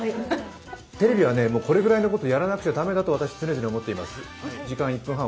テレビはね、これくらいのことやらなくちゃいけないと私、常々思ってます。